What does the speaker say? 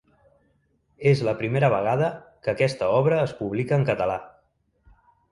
És la primera vegada que aquesta obra es publica en català.